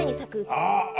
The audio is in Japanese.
ああ。